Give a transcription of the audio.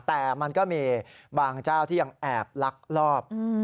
แต่มันก็มีบางเจ้าที่ยังแอบลักลอบ